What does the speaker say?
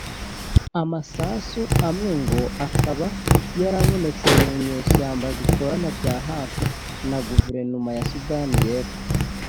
Amasasu amwe ngo akaba yarabonetse mu nyeshyamba zikorana bya hafi na Guverinoma ya Sudani y’Epfo